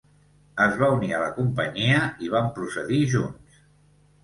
Es van unir a la companyia i van procedir junts.